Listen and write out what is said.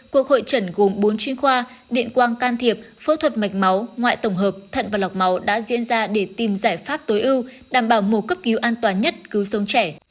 cuộc hội trần gồm bốn chuyên khoa điện quang can thiệp phẫu thuật mạch máu ngoại tổng hợp thận và lọc máu đã diễn ra để tìm giải pháp tối ưu đảm bảo mổ cấp cứu an toàn nhất cứu sống trẻ